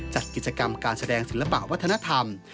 จัดกิจกรรมการแสดงศิลปะวัฒนธรรม